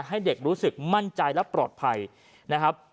ให้เด็กรู้สึกมั่นใจและปลอดภัยนะครับ